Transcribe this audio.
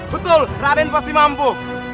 betul raden pasti mampu